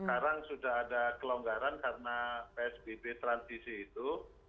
sekarang sudah ada kelonggaran karena psbb transisi itu